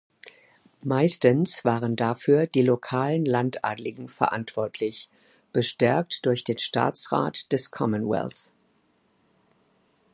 Meistens waren dafür die lokalen Landadligen verantwortlich, bestärkt durch den Staatsrat des Commonwealth.